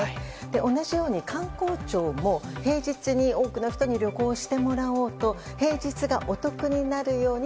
同じように観光庁も平日に多くの人に旅行してもらおうと平日がお得になるように